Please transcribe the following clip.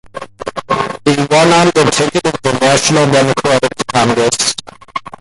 He won on the ticket of the National Democratic Congress.